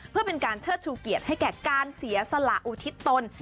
เพื่อเป็นการเชิดชูเกียรติให้แก่การเสียสละอุทิศตน